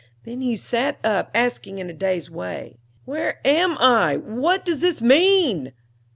Then he sat up, asking in a dazed way, 'Where am I? What does this mean?'"